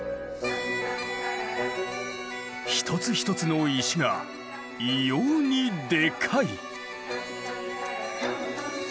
一つ一つの石が異様にでかい。